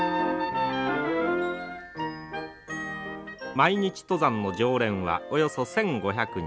毎日登山の常連はおよそ１，５００人。